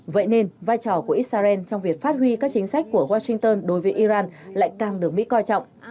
vậy nên vai trò của israel trong việc phát huy các chính sách của washington đối với iran lại càng được mỹ coi trọng